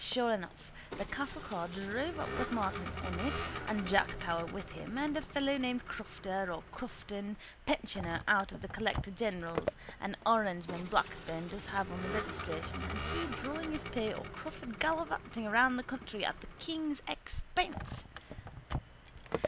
Sure enough the castle car drove up with Martin on it and Jack Power with him and a fellow named Crofter or Crofton, pensioner out of the collector general's, an orangeman Blackburn does have on the registration and he drawing his pay or Crawford gallivanting around the country at the king's expense.